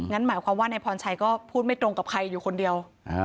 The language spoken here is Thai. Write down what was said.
หมายความว่านายพรชัยก็พูดไม่ตรงกับใครอยู่คนเดียว